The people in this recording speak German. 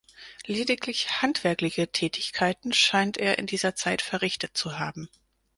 Lediglich handwerkliche Tätigkeiten scheint er in dieser Zeit verrichtet zu haben.